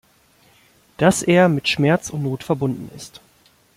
Dass er mit Schmerz und Not verbunden ist.